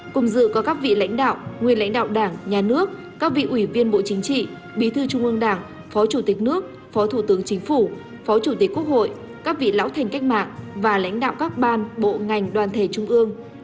cùng dự có các vị lãnh đạo nguyên lãnh đạo đảng nhà nước các vị ủy viên bộ chính trị bí thư trung ương đảng phó chủ tịch nước phó thủ tướng chính phủ phó chủ tịch quốc hội các vị lão thành cách mạng và lãnh đạo các ban bộ ngành đoàn thể trung ương